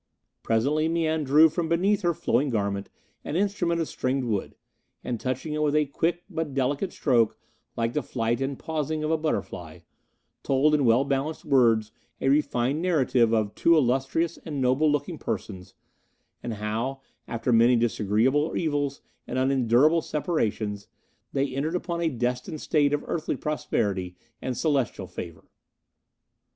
Presently Mian drew from beneath her flowing garment an instrument of stringed wood, and touching it with a quick but delicate stroke, like the flight and pausing of a butterfly, told in well balanced words a refined narrative of two illustrious and noble looking persons, and how, after many disagreeable evils and unendurable separations, they entered upon a destined state of earthly prosperity and celestial favour.